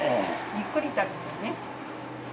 ゆっくり食べてね。